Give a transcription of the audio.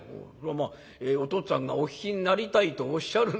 「まあお父っつぁんがお聞きになりたいとおっしゃる。